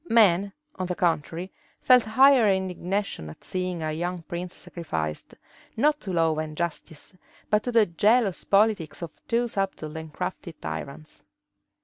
Men, on the contrary, felt higher indignation at seeing a young prince sacrificed, not to law and justice, but to the jealous politics of two subtle and crafty tyrants.